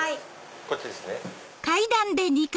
こっちですね。